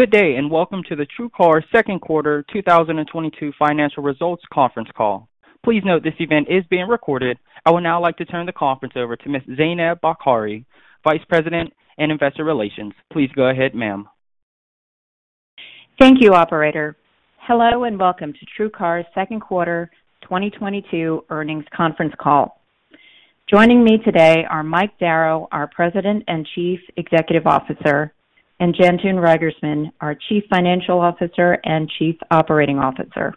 Good day, and welcome to the TrueCar second quarter 2022 financial results conference call. Please note this event is being recorded. I would now like to turn the conference over to Ms. Zaineb Bokhari, Vice President in Investor Relations. Please go ahead, ma'am. Thank you, operator. Hello, and welcome to TrueCar's second quarter 2022 earnings conference call. Joining me today are Mike Darrow, our President and Chief Executive Officer, and Jantoon Reigersman, our Chief Financial Officer and Chief Operating Officer.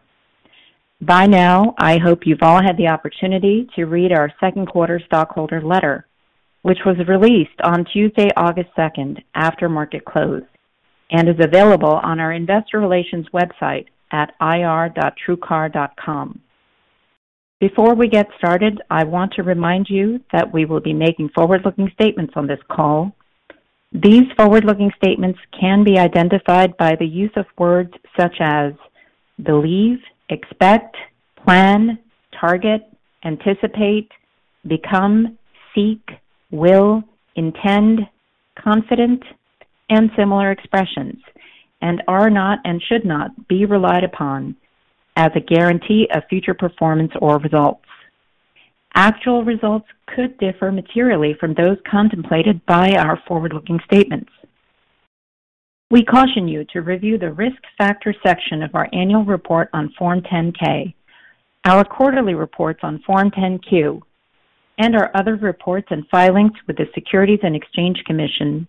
By now, I hope you've all had the opportunity to read our second quarter stockholder letter, which was released on Tuesday, August 2nd, after market close, and is available on our investor relations website at ir.truecar.com. Before we get started, I want to remind you that we will be making forward-looking statements on this call. These forward-looking statements can be identified by the use of words such as believe, expect, plan, target, anticipate, become, seek, will, intend, confident, and similar expressions, and are not and should not be relied upon as a guarantee of future performance or results. Actual results could differ materially from those contemplated by our forward-looking statements. We caution you to review the Risk Factors section of our annual report on Form 10-K, our quarterly reports on Form 10-Q, and our other reports and filings with the Securities and Exchange Commission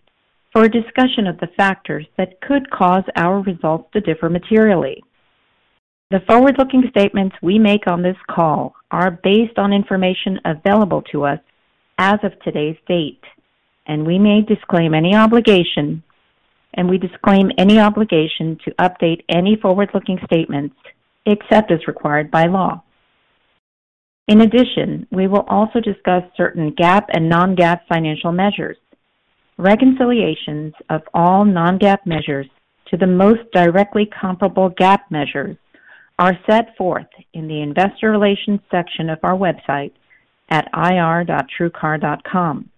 for a discussion of the factors that could cause our results to differ materially. The forward-looking statements we make on this call are based on information available to us as of today's date, and we disclaim any obligation to update any forward-looking statements except as required by law. In addition, we will also discuss certain GAAP and non-GAAP financial measures. Reconciliations of all non-GAAP measures to the most directly comparable GAAP measures are set forth in the Investor Relations section of our website at ir.truecar.com.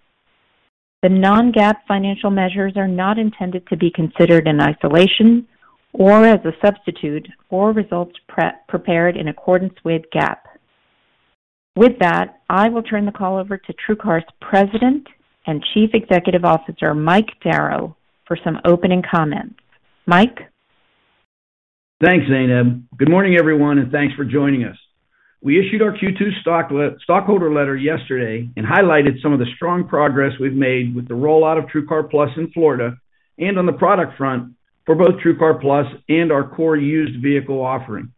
The non-GAAP financial measures are not intended to be considered in isolation or as a substitute for results prepared in accordance with GAAP. With that, I will turn the call over to TrueCar's President and Chief Executive Officer, Mike Darrow, for some opening comments. Mike? Thanks, Zaineb. Good morning, everyone, and thanks for joining us. We issued our Q2 stockholder letter yesterday and highlighted some of the strong progress we've made with the rollout of TrueCar+ in Florida and on the product front for both TrueCar+ and our core used vehicle offering.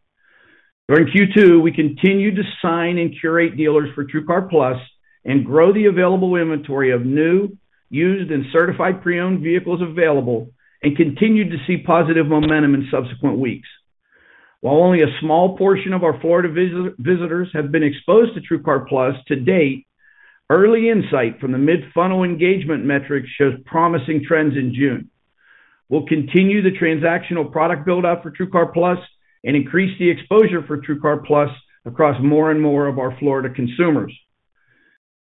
During Q2, we continued to sign and curate dealers for TrueCar+ and grow the available inventory of new, used, and certified pre-owned vehicles available and continued to see positive momentum in subsequent weeks. While only a small portion of our Florida visitors have been exposed to TrueCar+ to date, early insight from the mid-funnel engagement metrics shows promising trends in June. We'll continue the transactional product build-out for TrueCar+ and increase the exposure for TrueCar+ across more and more of our Florida consumers.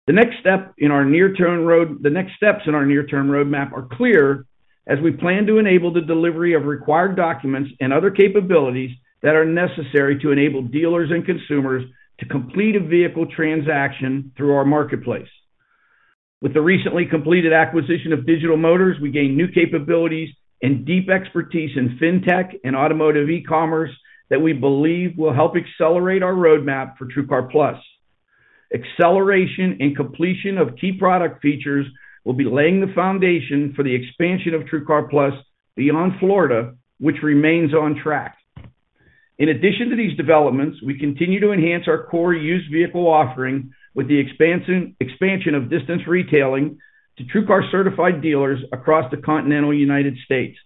The next step in our near-term road. The next steps in our near-term roadmap are clear as we plan to enable the delivery of required documents and other capabilities that are necessary to enable dealers and consumers to complete a vehicle transaction through our marketplace. With the recently completed acquisition of Digital Motors, we gain new capabilities and deep expertise in fintech and automotive e-commerce that we believe will help accelerate our roadmap for TrueCar+. Acceleration and completion of key product features will be laying the foundation for the expansion of TrueCar+ beyond Florida, which remains on track. In addition to these developments, we continue to enhance our core used vehicle offering with the expansion of distance retailing to TrueCar certified dealers across the continental United States.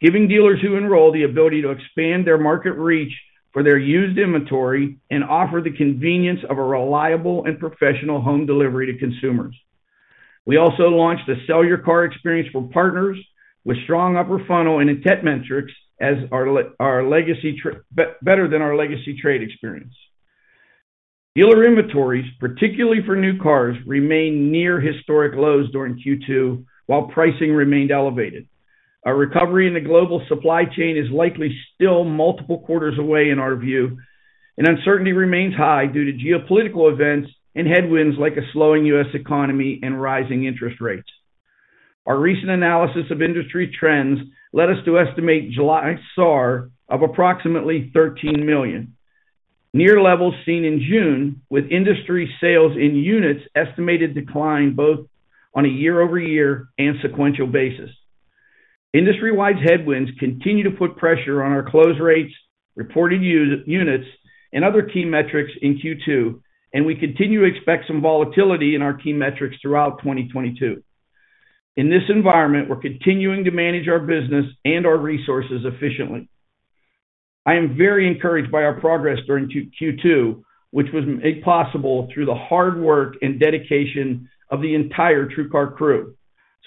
Giving dealers who enroll the ability to expand their market reach for their used inventory and offer the convenience of a reliable and professional home delivery to consumers. We also launched the Sell Your Car experience from partners with strong upper funnel and intent metrics better than our legacy trade experience. Dealer inventories, particularly for new cars, remained near historic lows during Q2 while pricing remained elevated. A recovery in the global supply chain is likely still multiple quarters away in our view, and uncertainty remains high due to geopolitical events and headwinds like a slowing U.S. economy and rising interest rates. Our recent analysis of industry trends led us to estimate July SAR of approximately 13 million, near levels seen in June, with industry sales in units estimated to decline both on a year-over-year and sequential basis. Industry-wide headwinds continue to put pressure on our close rates, reported units, and other key metrics in Q2, and we continue to expect some volatility in our key metrics throughout 2022. In this environment, we're continuing to manage our business and our resources efficiently. I am very encouraged by our progress during Q2, which was made possible through the hard work and dedication of the entire TrueCar crew.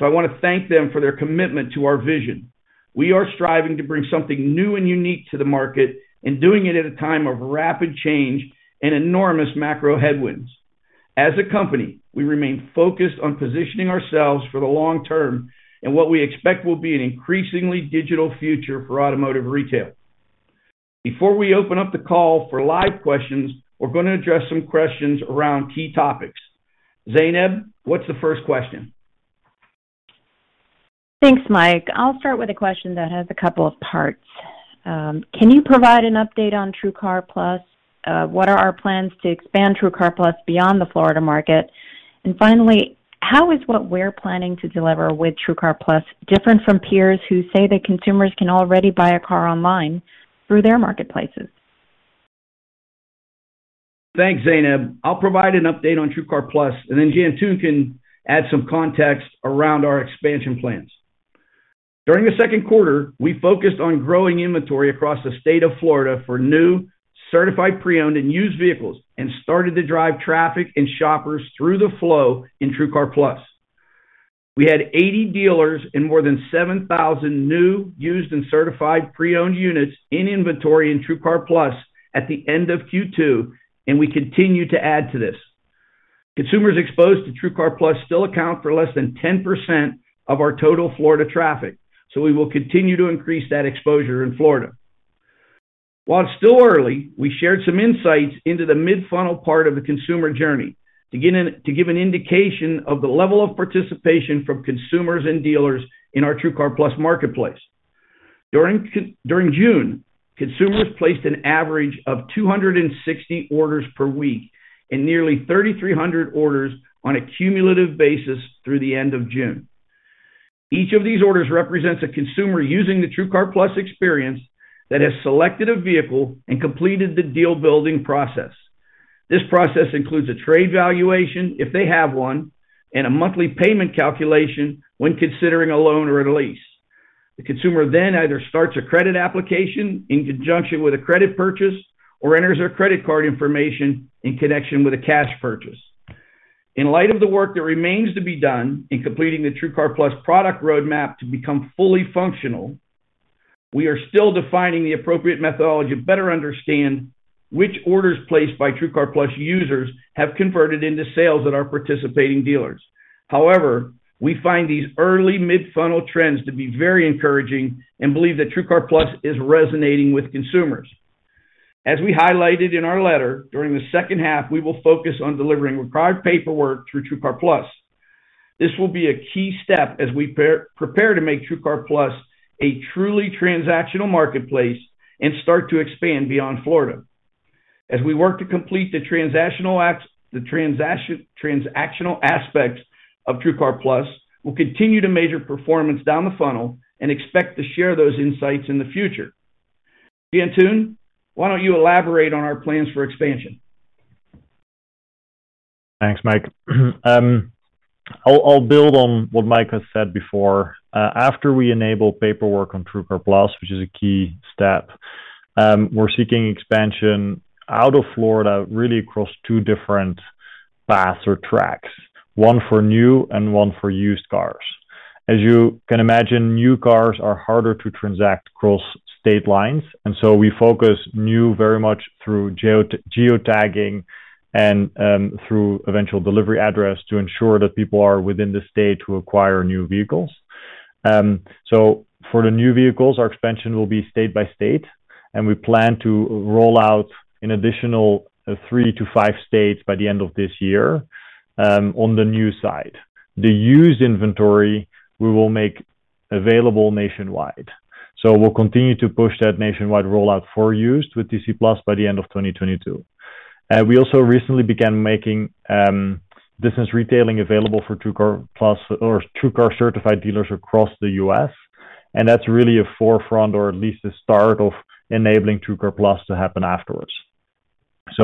I want to thank them for their commitment to our vision. We are striving to bring something new and unique to the market and doing it at a time of rapid change and enormous macro headwinds. As a company, we remain focused on positioning ourselves for the long term and what we expect will be an increasingly digital future for automotive retail. Before we open up the call for live questions, we're going to address some questions around key topics. Zaineb, what's the first question? Thanks, Mike. I'll start with a question that has a couple of parts. Can you provide an update on TrueCar+? What are our plans to expand TrueCar+ beyond the Florida market? Finally, how is what we're planning to deliver with TrueCar+ different from peers who say that consumers can already buy a car online through their marketplaces? Thanks, Zaineb. I'll provide an update on TrueCar+, and then Jantoon can add some context around our expansion plans. During the second quarter, we focused on growing inventory across the state of Florida for new certified pre-owned and used vehicles and started to drive traffic and shoppers through the flow in TrueCar+. We had 80 dealers and more than 7,000 new used and certified pre-owned units in inventory in TrueCar+ at the end of Q2, and we continue to add to this. Consumers exposed to TrueCar+ still account for less than 10% of our total Florida traffic, so we will continue to increase that exposure in Florida. While it's still early, we shared some insights into the mid-funnel part of the consumer journey to give an indication of the level of participation from consumers and dealers in our TrueCar+ marketplace. During June, consumers placed an average of 260 orders per week and nearly 3,300 orders on a cumulative basis through the end of June. Each of these orders represents a consumer using the TrueCar+ experience that has selected a vehicle and completed the deal-building process. This process includes a trade valuation, if they have one, and a monthly payment calculation when considering a loan or a lease. The consumer then either starts a credit application in conjunction with a credit purchase or enters their credit card information in connection with a cash purchase. In light of the work that remains to be done in completing the TrueCar+ product roadmap to become fully functional, we are still defining the appropriate methodology to better understand which orders placed by TrueCar+ users have converted into sales at our participating dealers. However, we find these early mid-funnel trends to be very encouraging and believe that TrueCar+ is resonating with consumers. As we highlighted in our letter, during the second half, we will focus on delivering required paperwork through TrueCar+. This will be a key step as we prepare to make TrueCar+ a truly transactional marketplace and start to expand beyond Florida. As we work to complete the transactional aspects of TrueCar+, we'll continue to measure performance down the funnel and expect to share those insights in the future. Jantoon, why don't you elaborate on our plans for expansion? Thanks, Mike. I'll build on what Mike has said before. After we enable paperwork on TrueCar+, which is a key step, we're seeking expansion out of Florida, really across two different paths or tracks, one for new and one for used cars. As you can imagine, new cars are harder to transact cross state lines, and so we focus new very much through geotagging and through eventual delivery address to ensure that people are within the state to acquire new vehicles. For the new vehicles, our expansion will be state by state, and we plan to roll out an additional 3-5 states by the end of this year, on the new side. The used inventory we will make available nationwide. We'll continue to push that nationwide rollout for used with TC+ by the end of 2022. We also recently began making business retailing available for TrueCar+ or TrueCar certified dealers across the U.S., and that's really a forefront or at least the start of enabling TrueCar+ to happen afterwards.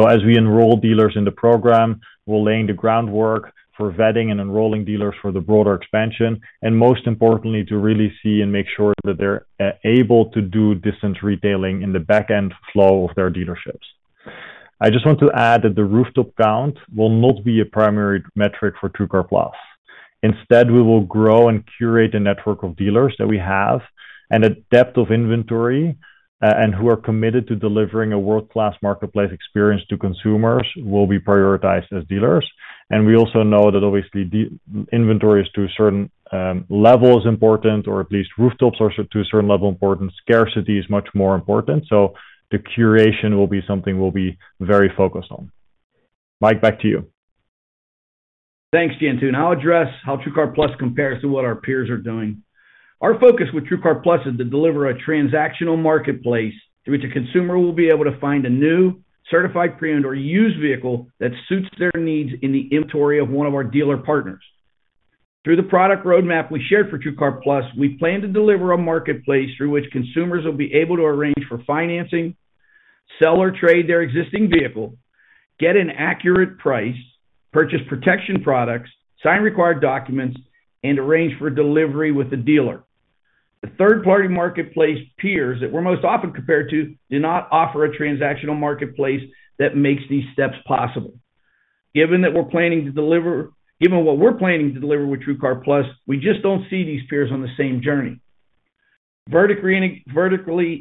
As we enroll dealers in the program, we're laying the groundwork for vetting and enrolling dealers for the broader expansion, and most importantly, to really see and make sure that they're able to do distance retailing in the back-end flow of their dealerships. I just want to add that the rooftop count will not be a primary metric for TrueCar+. Instead, we will grow and curate a network of dealers that we have, a depth of inventory, and who are committed to delivering a world-class marketplace experience to consumers will be prioritized as dealers. We also know that obviously inventory is, to a certain level, important, or at least rooftops are, to a certain level, important. Scarcity is much more important. The curation will be something we'll be very focused on. Mike, back to you. Thanks, Jantoon. I'll address how TrueCar+ compares to what our peers are doing. Our focus with TrueCar+ is to deliver a transactional marketplace through which a consumer will be able to find a new certified pre-owned or used vehicle that suits their needs in the inventory of one of our dealer partners. Through the product roadmap we shared for TrueCar+, we plan to deliver a marketplace through which consumers will be able to arrange for financing, sell or trade their existing vehicle, get an accurate price, purchase protection products, sign required documents, and arrange for delivery with the dealer. The third-party marketplace peers that we're most often compared to do not offer a transactional marketplace that makes these steps possible. Given what we're planning to deliver with TrueCar+, we just don't see these peers on the same journey. Vertically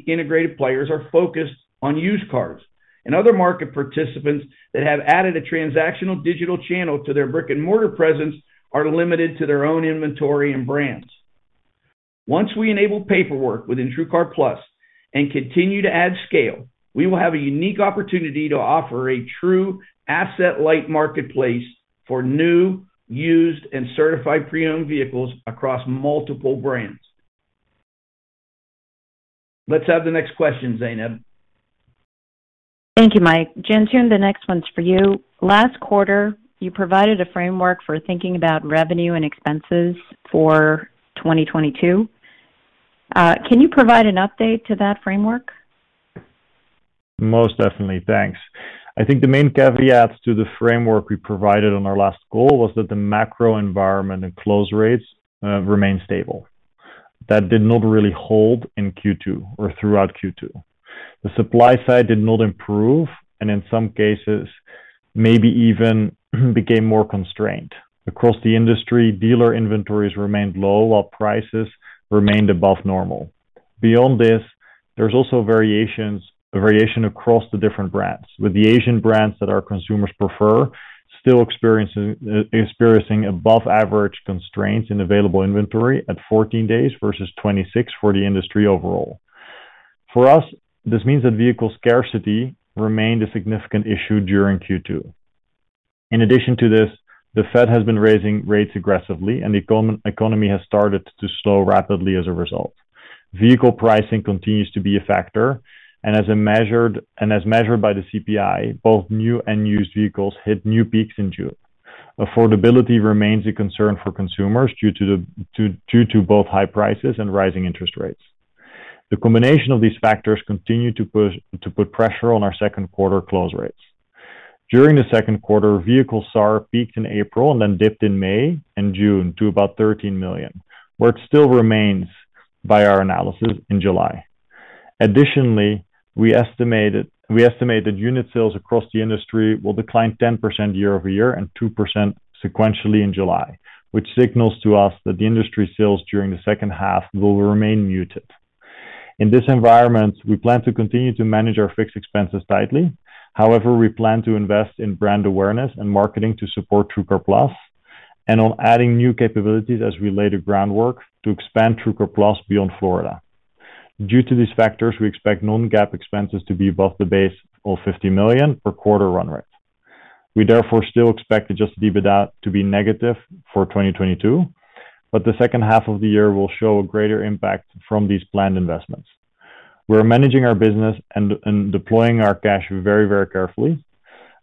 integrated players are focused on used cars, and other market participants that have added a transactional digital channel to their brick-and-mortar presence are limited to their own inventory and brands. Once we enable paperwork within TrueCar+ and continue to add scale, we will have a unique opportunity to offer a true asset-light marketplace for new, used, and certified pre-owned vehicles across multiple brands. Let's have the next question, Zaineb. Thank you, Mike. Jantoon, the next one's for you. Last quarter, you provided a framework for thinking about revenue and expenses for 2022. Can you provide an update to that framework? Most definitely. Thanks. I think the main caveats to the framework we provided on our last call was that the macro environment and close rates remained stable. That did not really hold in Q2 or throughout Q2. The supply side did not improve, and in some cases, maybe even became more constrained. Across the industry, dealer inventories remained low while prices remained above normal. Beyond this, there's also a variation across the different brands, with the Asian brands that our consumers prefer still experiencing above average constraints in available inventory at 14 days versus 26 for the industry overall. For us, this means that vehicle scarcity remained a significant issue during Q2. In addition to this, the Fed has been raising rates aggressively and the economy has started to slow rapidly as a result. Vehicle pricing continues to be a factor, and as measured by the CPI, both new and used vehicles hit new peaks in June. Affordability remains a concern for consumers due to both high prices and rising interest rates. The combination of these factors continues to put pressure on our second quarter close rates. During the second quarter, vehicle SAR peaked in April and then dipped in May and June to about $13 million, where it still remains by our analysis in July. Additionally, we estimate that unit sales across the industry will decline 10% year-over-year and 2% sequentially in July, which signals to us that the industry sales during the second half will remain muted. In this environment, we plan to continue to manage our fixed expenses tightly. However, we plan to invest in brand awareness and marketing to support TrueCar+ and on adding new capabilities as we lay the groundwork to expand TrueCar+ beyond Florida. Due to these factors, we expect non-GAAP expenses to be above the base of $50 million per quarter run rate. We therefore still expect adjusted EBITDA to be negative for 2022, but the second half of the year will show a greater impact from these planned investments. We're managing our business and deploying our cash very, very carefully,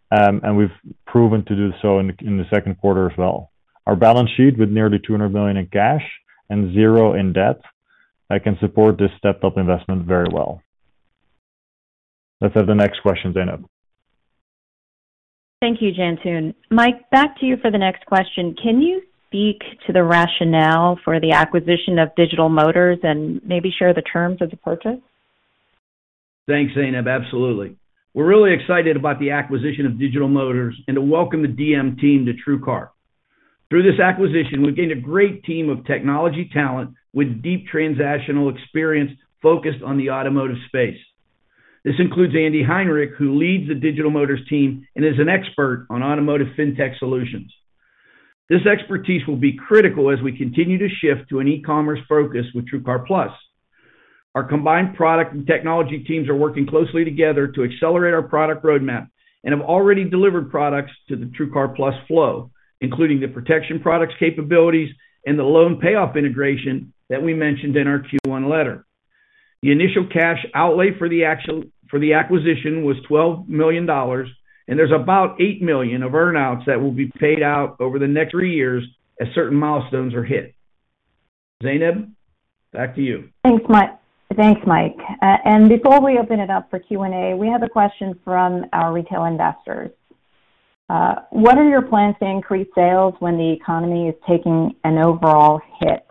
and we've proven to do so in the second quarter as well. Our balance sheet with nearly $200 million in cash and 0 in debt, that can support this stepped up investment very well. Let's have the next question, Zaineb. Thank you, Jantoon. Mike, back to you for the next question. Can you speak to the rationale for the acquisition of Digital Motors and maybe share the terms of the purchase? Thanks, Zaineb. Absolutely. We're really excited about the acquisition of Digital Motors and to welcome the DM team to TrueCar. Through this acquisition, we've gained a great team of technology talent with deep transactional experience focused on the automotive space. This includes Andreas Heinrich, who leads the Digital Motors team and is an expert on automotive fintech solutions. This expertise will be critical as we continue to shift to an e-commerce focus with TrueCar+. Our combined product and technology teams are working closely together to accelerate our product roadmap and have already delivered products to the TrueCar+ flow, including the protection products capabilities and the loan payoff integration that we mentioned in our Q1 letter. The initial cash outlay for the acquisition was $12 million, and there's about $8 million of earn-outs that will be paid out over the next three years as certain milestones are hit. Zaineb, back to you. Thanks, Mike. Before we open it up for Q&A, we have a question from our retail investors. What are your plans to increase sales when the economy is taking an overall hit?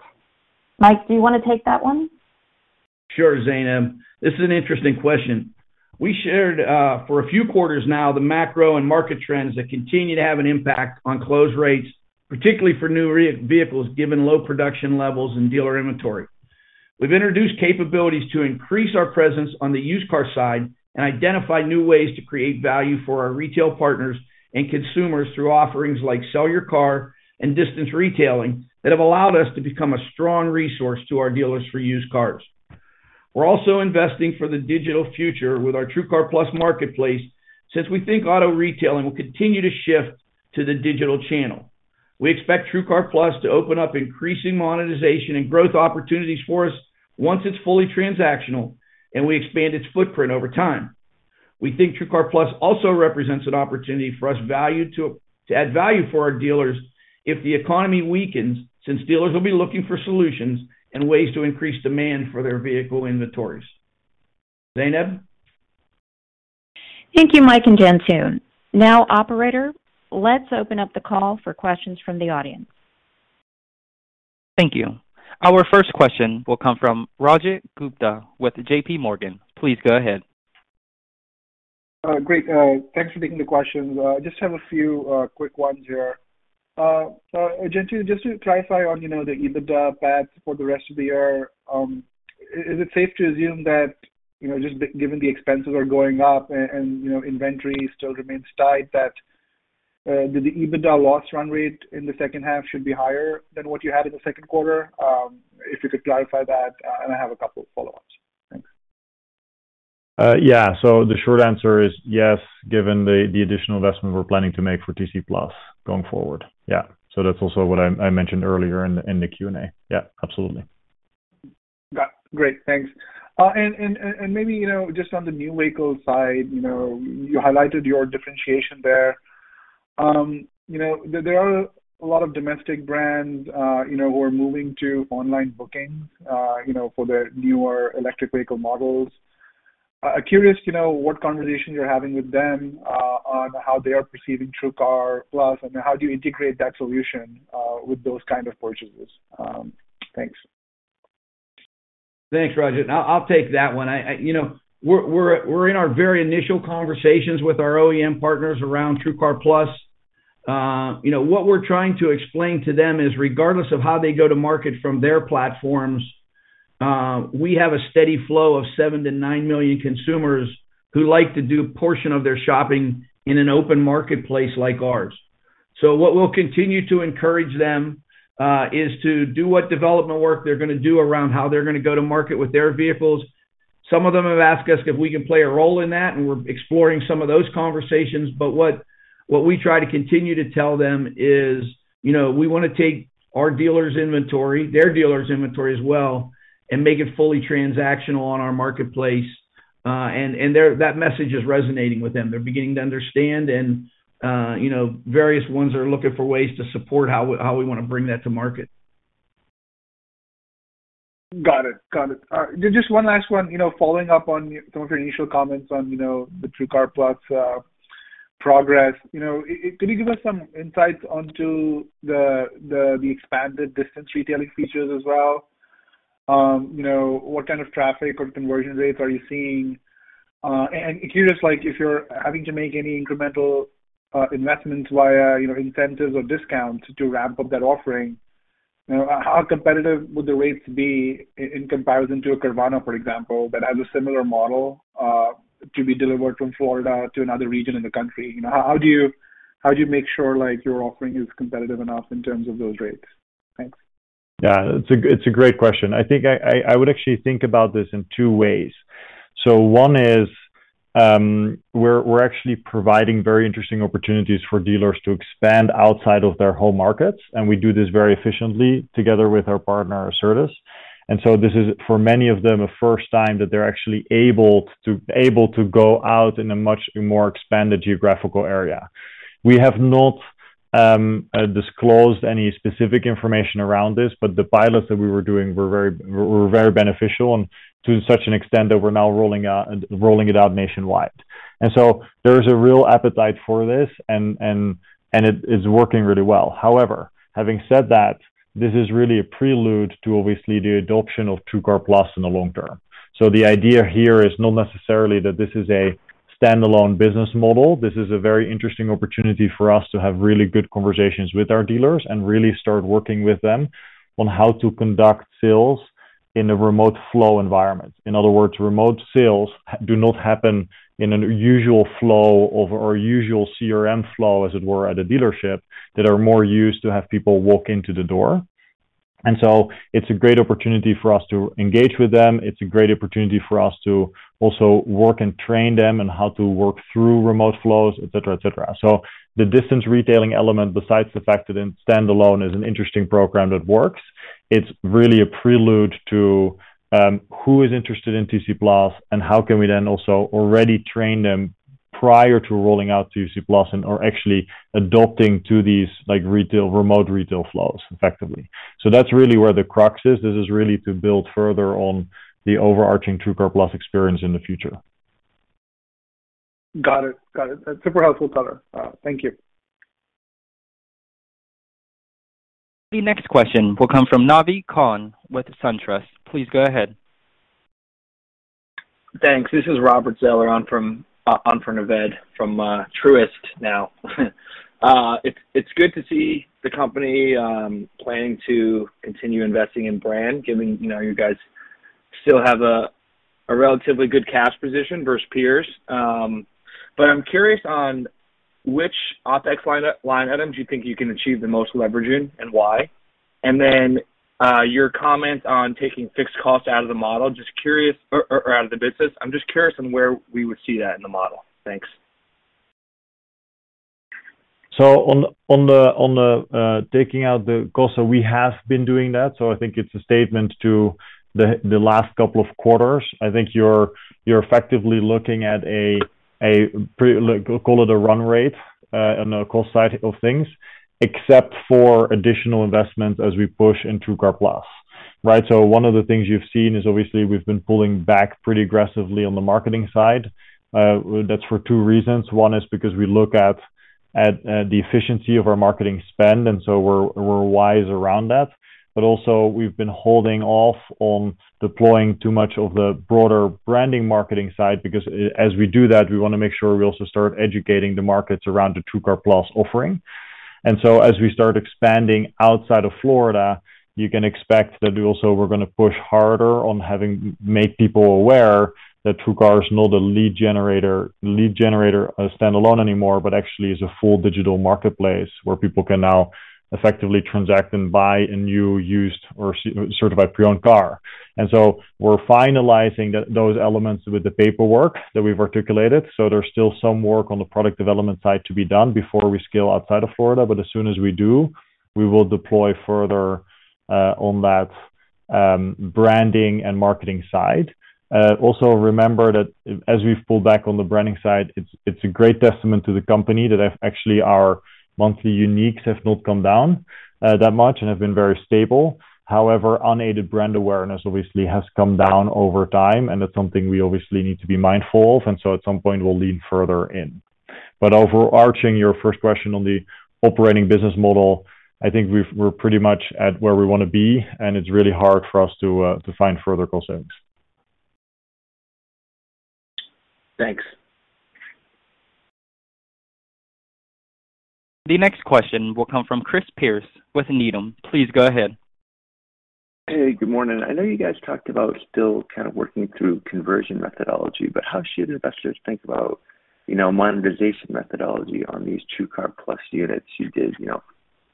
Mike, do you wanna take that one? Sure, Zaineb. This is an interesting question. We shared for a few quarters now the macro and market trends that continue to have an impact on close rates, particularly for new vehicles given low production levels and dealer inventory. We've introduced capabilities to increase our presence on the used car side and identify new ways to create value for our retail partners and consumers through offerings like Sell Your Car and distance retailing that have allowed us to become a strong resource to our dealers for used cars. We're also investing for the digital future with our TrueCar+ marketplace since we think auto retailing will continue to shift to the digital channel. We expect TrueCar+ to open up increasing monetization and growth opportunities for us once it's fully transactional and we expand its footprint over time. We think TrueCar+ also represents an opportunity for us to add value for our dealers if the economy weakens since dealers will be looking for solutions and ways to increase demand for their vehicle inventories. Zaineb. Thank you, Mike and Jantoon. Now, operator, let's open up the call for questions from the audience. Thank you. Our first question will come from Rajiv Gupta with JPMorgan. Please go ahead. Great. Thanks for taking the questions. Just have a few quick ones here. So just to clarify on, you know, the EBITDA path for the rest of the year, is it safe to assume that, you know, just given the expenses are going up and, you know, inventory still remains tight that the EBITDA loss run rate in the second half should be higher than what you had in the second quarter? If you could clarify that. The short answer is yes, given the additional investment we're planning to make for TC+ going forward. Yeah. That's also what I mentioned earlier in the Q&A. Yeah, absolutely. Got it. Great. Thanks. Maybe, you know, just on the new vehicle side, you know, you highlighted your differentiation there. You know, there are a lot of domestic brands, you know, who are moving to online booking, you know, for their newer electric vehicle models. Curious to know what conversations you're having with them, on how they are perceiving TrueCar+, and how do you integrate that solution, with those kind of purchases? Thanks. Thanks, Rajiv. I'll take that one. You know, we're in our very initial conversations with our OEM partners around TrueCar+. You know, what we're trying to explain to them is regardless of how they go to market from their platforms, we have a steady flow of 7-9 million consumers who like to do a portion of their shopping in an open marketplace like ours. What we'll continue to encourage them is to do what development work they're gonna do around how they're gonna go to market with their vehicles. Some of them have asked us if we can play a role in that, and we're exploring some of those conversations. What we try to continue to tell them is, you know, we wanna take our dealers' inventory, their dealers' inventory as well, and make it fully transactional on our marketplace. That message is resonating with them. They're beginning to understand and, you know, various ones are looking for ways to support how we wanna bring that to market. Got it. Just one last one. You know, following up on some of your initial comments on, you know, the TrueCar+ progress. You know, can you give us some insights into the expanded distance retailing features as well? You know, what kind of traffic or conversion rates are you seeing? Curious, like if you're having to make any incremental investments via, you know, incentives or discounts to ramp up that offering. You know, how competitive would the rates be in comparison to Carvana, for example, that has a similar model to be delivered from Florida to another region in the country? You know, how do you make sure, like, your offering is competitive enough in terms of those rates? Thanks. Yeah. It's a great question. I think I would actually think about this in two ways. One is, we're actually providing very interesting opportunities for dealers to expand outside of their home markets, and we do this very efficiently together with our partner, ACERTUS. This is, for many of them, a first time that they're actually able to go out in a much more expanded geographical area. We have not disclosed any specific information around this, but the pilots that we were doing were very beneficial and to such an extent that we're now rolling it out nationwide. There is a real appetite for this and it is working really well. However, having said that, this is really a prelude to obviously the adoption of TrueCar+ in the long term. The idea here is not necessarily that this is a standalone business model. This is a very interesting opportunity for us to have really good conversations with our dealers and really start working with them on how to conduct sales in a remote flow environment. In other words, remote sales do not happen in a usual flow of our usual CRM flow, as it were, at a dealership that are more used to have people walk into the door. It's a great opportunity for us to engage with them. It's a great opportunity for us to also work and train them on how to work through remote flows, et cetera. The distance retailing element, besides the fact that in standalone is an interesting program that works, it's really a prelude to who is interested in TC+ and how can we then also already train them prior to rolling out TC+ and are actually adopting to these, like, retail, remote retail flows effectively. That's really where the crux is. This is really to build further on the overarching TrueCar+ experience in the future. Got it. Super helpful color. Thank you. The next question will come from Naved Khan with SunTrust. Please go ahead. Thanks. This is Robert Zeller on for Naved, from Truist now. It's good to see the company planning to continue investing in brand, given you know you guys still have a relatively good cash position versus peers. But I'm curious on which OpEx line items you think you can achieve the most leverage in and why. Then your comment on taking fixed costs out of the model. Just curious or out of the business. I'm just curious on where we would see that in the model. Thanks. On the taking out the cost, we have been doing that. I think it's a statement to the last couple of quarters. I think you're effectively looking at a call it a run rate on the cost side of things, except for additional investments as we push in TrueCar+. Right? One of the things you've seen is obviously we've been pulling back pretty aggressively on the marketing side. That's for two reasons. One is because we look at the efficiency of our marketing spend, and so we're wise around that. We've been holding off on deploying too much of the broader branding marketing side because as we do that, we wanna make sure we also start educating the markets around the TrueCar+ offering. As we start expanding outside of Florida, you can expect that we're gonna push harder on having make people aware that TrueCar is not a lead generator standalone anymore, but actually is a full digital marketplace where people can now effectively transact and buy a new, used or certified pre-owned car. We're finalizing those elements with the paperwork that we've articulated. There's still some work on the product development side to be done before we scale outside of Florida, but as soon as we do, we will deploy further on that branding and marketing side. Also remember that as we've pulled back on the branding side, it's a great testament to the company that, actually, our monthly uniques have not come down that much and have been very stable. However, unaided brand awareness obviously has come down over time, and that's something we obviously need to be mindful of, and so at some point we'll lean further in. Overarching your first question on the operating business model, I think we're pretty much at where we wanna be, and it's really hard for us to find further cost savings. Thanks. The next question will come from Chris Pierce with Needham. Please go ahead. Hey, good morning. I know you guys talked about still kind of working through conversion methodology, but how should investors think about, you know, monetization methodology on these TrueCar+ units? You did, you know,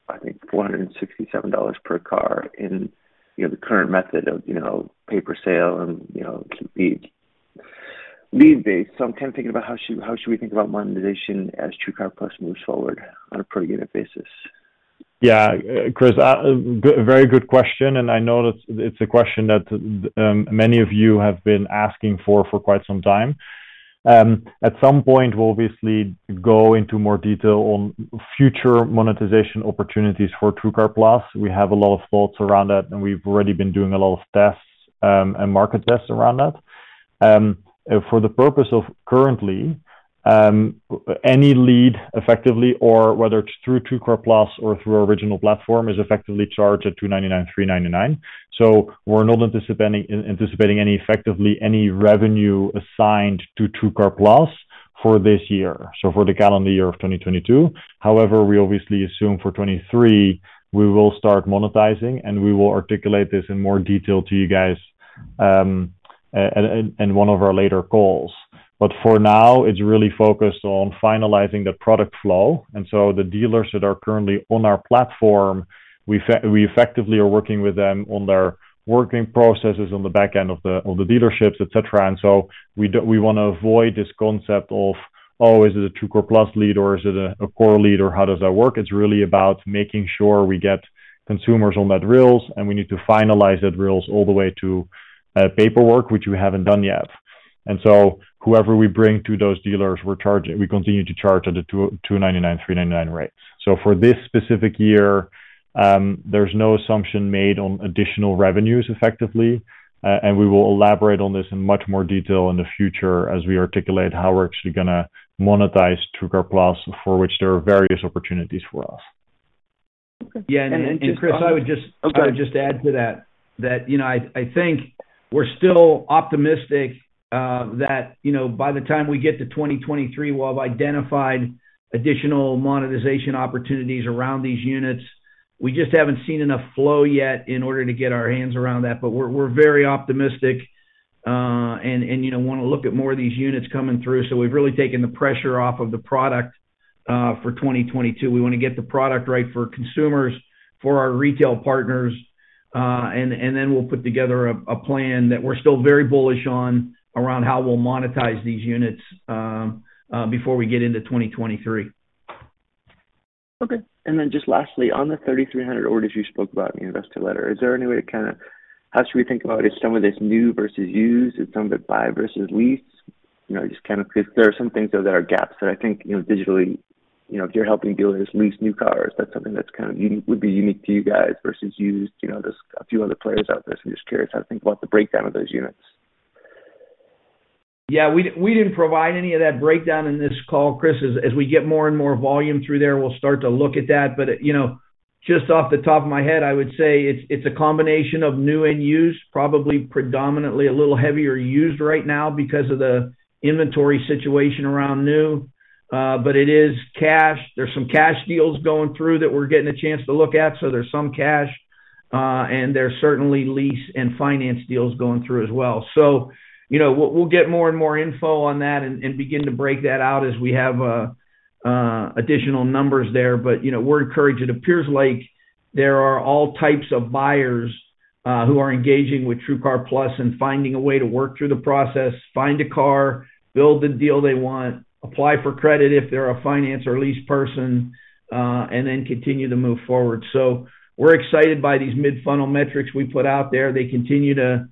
I think $467 per car in, you know, the current method of, you know, pay per sale and, you know, lead-based. I'm kind of thinking about how should we think about monetization as TrueCar+ moves forward on a per unit basis? Yeah. Chris, very good question. I know that it's a question that many of you have been asking for quite some time. At some point we'll obviously go into more detail on future monetization opportunities for TrueCar+. We have a lot of thoughts around that, and we've already been doing a lot of tests and market tests around that. For the purpose of currently, any lead effectively or whether it's through TrueCar+ or through our original platform is effectively charged at $299, $399. We're not anticipating effectively any revenue assigned to TrueCar+ for this year, for the calendar year of 2022. However, we obviously assume for 2023 we will start monetizing, and we will articulate this in more detail to you guys in one of our later calls. For now, it's really focused on finalizing the product flow. The dealers that are currently on our platform, we effectively are working with them on their working processes on the back end of the dealerships, et cetera. We wanna avoid this concept of always a TrueCar+ lead or is it a core lead or how does that work? It's really about making sure we get consumers on that rails, and we need to finalize that rails all the way to paperwork, which we haven't done yet. Whoever we bring to those dealers, we're charging. We continue to charge at the $299, $399 rates. For this specific year, there's no assumption made on additional revenues effectively. We will elaborate on this in much more detail in the future as we articulate how we're actually gonna monetize TrueCar+, for which there are various opportunities for us. Okay. Just Yeah. Chris, I would just. Okay. I would just add to that, you know, I think we're still optimistic that, you know, by the time we get to 2023, we'll have identified additional monetization opportunities around these units. We just haven't seen enough flow yet in order to get our hands around that. We're very optimistic, and, you know, wanna look at more of these units coming through. We've really taken the pressure off of the product for 2022. We wanna get the product right for consumers, for our retail partners, and then we'll put together a plan that we're still very bullish on around how we'll monetize these units before we get into 2023. Okay. Just lastly, on the 3,300 orders you spoke about in the investor letter, is there any way to kinda how should we think about? Is some of this new versus used? Is some of it buy versus lease? You know, just kind of 'cause there are some things though that are gaps that I think, you know, digitally, you know, if you're helping dealers lease new cars, that's something that's kind of would be unique to you guys versus used. You know, there's a few other players out there, so I'm just curious how to think about the breakdown of those units. Yeah. We didn't provide any of that breakdown in this call, Chris. As we get more and more volume through there, we'll start to look at that. You know, just off the top of my head, I would say it's a combination of new and used, probably predominantly a little heavier used right now because of the inventory situation around new. It is cash. There's some cash deals going through that we're getting a chance to look at, so there's some cash. There's certainly lease and finance deals going through as well. You know, we'll get more and more info on that and begin to break that out as we have additional numbers there. You know, we're encouraged. It appears like there are all types of buyers who are engaging with TrueCar+ and finding a way to work through the process, find a car, build the deal they want, apply for credit if they're a finance or a lease person, and then continue to move forward. We're excited by these mid-funnel metrics we put out there. They continue to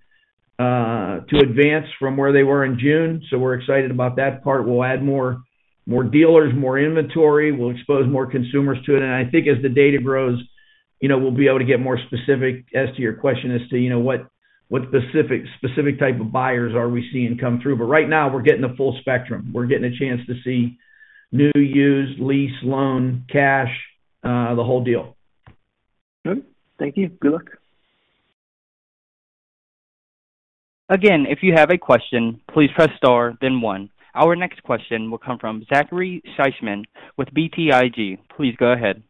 advance from where they were in June, so we're excited about that part. We'll add more dealers, more inventory. We'll expose more consumers to it. I think as the data grows, you know, we'll be able to get more specific as to your question as to, you know, what specific type of buyers are we seeing come through. Right now we're getting a full spectrum. We're getting a chance to see new, used, lease, loan, cash, the whole deal. Good. Thank you. Good luck. Again, if you have a question, please press star then one. Our next question will come from Zachary Schechtman with BTIG. Please go ahead.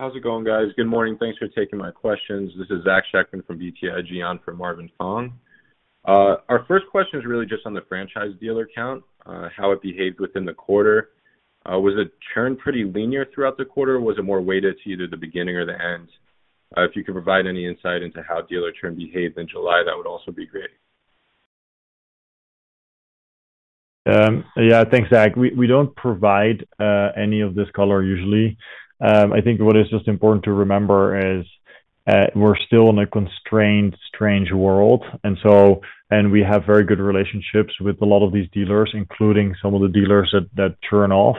How's it going, guys? Good morning. Thanks for taking my questions. This is Zack Schechtman from BTIG on for Marvin Fong. Our first question is really just on the franchise dealer count, how it behaved within the quarter. Was the churn pretty linear throughout the quarter? Was it more weighted to either the beginning or the end? If you could provide any insight into how dealer churn behaved in July, that would also be great. Thanks, Zach. We don't provide any of this color usually. I think what is just important to remember is, we're still in a constrained, strange world, and we have very good relationships with a lot of these dealers, including some of the dealers that churn off.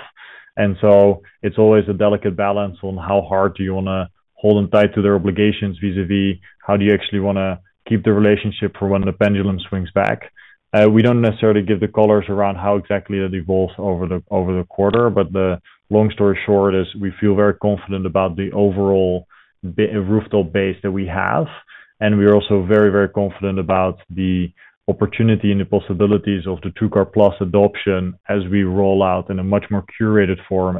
It's always a delicate balance on how hard do you wanna hold them tight to their obligations vis-a-vis how do you actually wanna keep the relationship for when the pendulum swings back. We don't necessarily give the colors around how exactly that evolves over the quarter, but the long story short is we feel very confident about the overall rooftop base that we have, and we're also very, very confident about the opportunity and the possibilities of the TrueCar+ adoption as we roll out in a much more curated form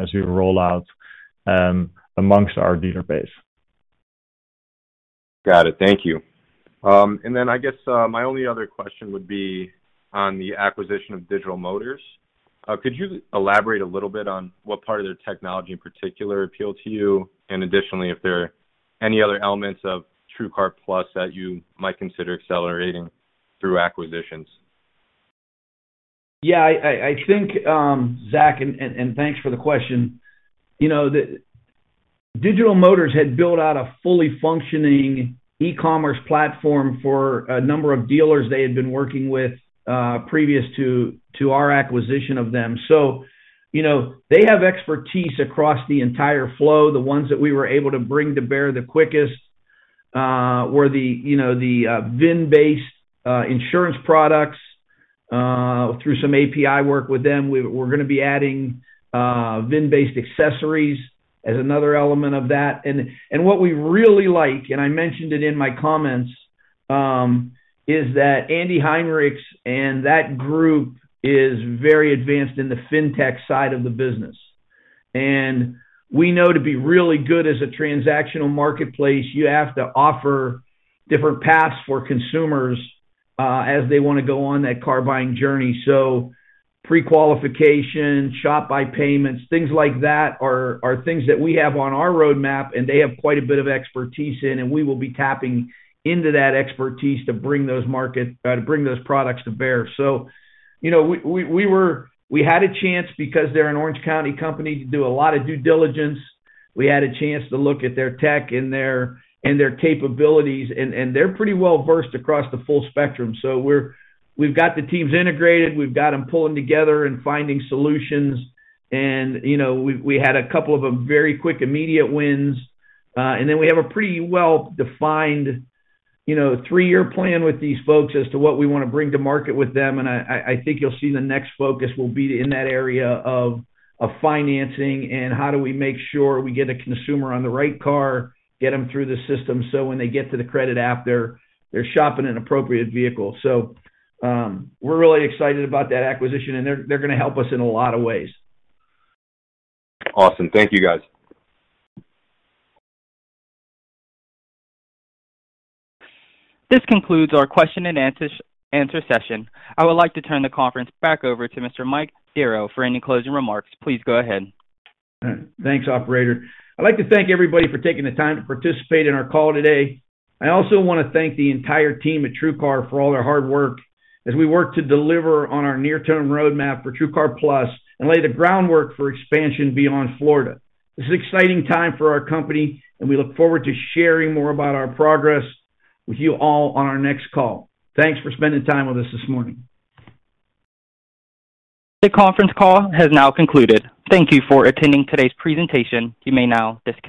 amongst our dealer base. Got it. Thank you. I guess my only other question would be on the acquisition of Digital Motors. Could you elaborate a little bit on what part of their technology in particular appealed to you? Additionally, if there are any other elements of TrueCar+ that you might consider accelerating through acquisitions? Yeah. I think, Zach, thanks for the question. You know, the Digital Motors had built out a fully functioning e-commerce platform for a number of dealers they had been working with previous to our acquisition of them. You know, they have expertise across the entire flow. The ones that we were able to bring to bear the quickest were the, you know, the VIN-based insurance products. Through some API work with them, we're gonna be adding VIN-based accessories as another element of that. What we really like, and I mentioned it in my comments, is that Andy Heinrich and that group is very advanced in the fintech side of the business. We know to be really good as a transactional marketplace, you have to offer different paths for consumers as they wanna go on that car-buying journey. Pre-qualification, shop by payments, things like that are things that we have on our roadmap, and they have quite a bit of expertise in, and we will be tapping into that expertise to bring those products to bear. You know, we had a chance because they're an Orange County company to do a lot of due diligence. We had a chance to look at their tech and their capabilities, and they're pretty well-versed across the full spectrum. We've got the teams integrated, we've got them pulling together and finding solutions, and you know, we had a couple of very quick immediate wins. We have a pretty well-defined, you know, three-year plan with these folks as to what we wanna bring to market with them. I think you'll see the next focus will be in that area of financing and how do we make sure we get a consumer on the right car, get them through the system, so when they get to the credit app, they're shopping an appropriate vehicle. We're really excited about that acquisition, and they're gonna help us in a lot of ways. Awesome. Thank you, guys. This concludes our question and answer session. I would like to turn the conference back over to Mr. Mike Darrow for any closing remarks. Please go ahead. Thanks, operator. I'd like to thank everybody for taking the time to participate in our call today. I also wanna thank the entire team at TrueCar for all their hard work as we work to deliver on our near-term roadmap for TrueCar+ and lay the groundwork for expansion beyond Florida. This is an exciting time for our company, and we look forward to sharing more about our progress with you all on our next call. Thanks for spending time with us this morning. The conference call has now concluded. Thank you for attending today's presentation. You may now disconnect.